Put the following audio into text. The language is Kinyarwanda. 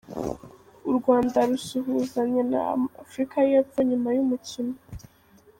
U Rwanda rusuhuzanya na Afurika y'Epfo nyuma y'umukino.